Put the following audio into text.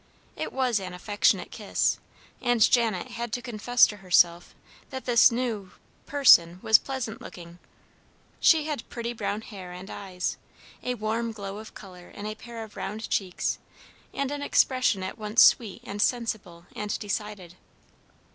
It was an affectionate kiss, and Janet had to confess to herself that this new person was pleasant looking. She had pretty brown hair and eyes, a warm glow of color in a pair of round cheeks, and an expression at once sweet and sensible and decided.